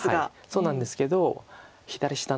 そうなんですけど左下の三々